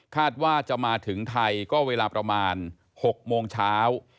ว่าจะมาถึงไทยก็เวลาประมาณ๖โมงเช้า